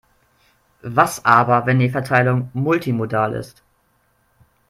Was aber, wenn die Verteilung multimodal ist?